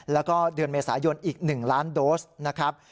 แล้วก็เดือนเมษายนอีก๑ล้านโดสนะครับ